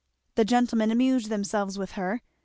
The gentlemen amused themselves with her.